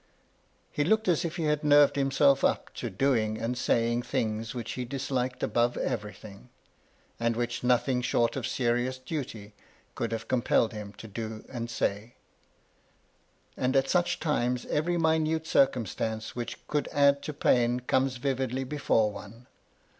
He looked as if he had nerved himself up to doing and saying things, which he disliked above everything, and which nothing short of serious duty could have compelled him to do and say* And at such times every minute circumstance which could add to pain comes vividly before one.